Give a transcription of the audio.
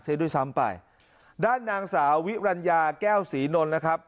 ด้วยซ้ำไปด้านนางสาววิรัญญาแก้วศรีนนท์นะครับ